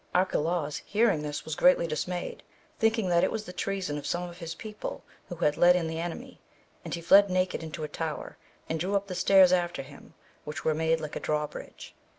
Arcalaus hearing this, was greatly dismayed, thinking that it was the treason of some of his people who had let in the enemy, and he fled naked into a tower, and drew up the stairs after him which were made like a draw bridge.